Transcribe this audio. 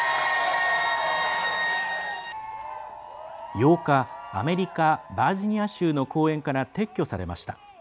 ８日、アメリカ・バージニア州の公園から撤去されました。